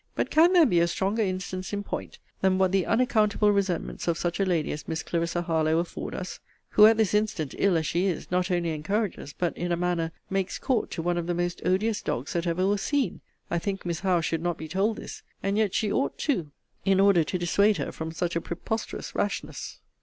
But can there be a stronger instance in point than what the unaccountable resentments of such a lady as Miss Clarissa Harlowe afford us? Who at this instant, ill as she is, not only encourages, but, in a manner, makes court to one of the most odious dogs that ever was seen? I think Miss Howe should not be told this and yet she ought too, in order to dissuade her from such a preposterous rashness.